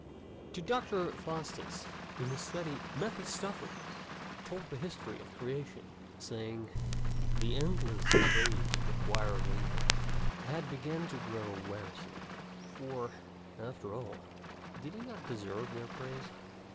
TO Dr. Faustus in his study Mephistopheles told the history of the Creation, saying: "The endless praises of the choirs of angels had begun to grow wearisome; for, after all, did he not deserve their praise?